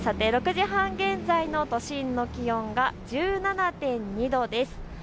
さて６時半現在の都心の気温は１７．２度です。